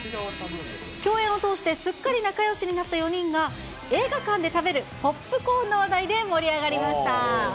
共演を通してすっかり仲よしになった４人が映画館で食べるポップコーンの話題で盛り上がりました。